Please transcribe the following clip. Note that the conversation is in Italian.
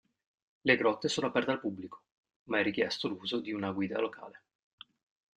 Le grotte sono aperte al pubblico, ma è richiesto l'uso di una guida locale.